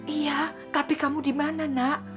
iya tapi kamu di mana nak